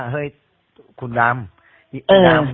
ขอบคุณทุกคน